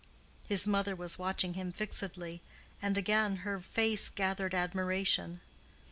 His mother was watching him fixedly, and again her face gathered admiration.